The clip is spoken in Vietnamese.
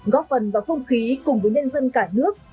góp phần vào không khí cùng với nhân dân cả nước